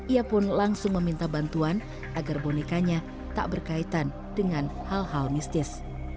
ia pun langsung meminta bantuan agar bonekanya tak berkaitan dengan hal hal mistis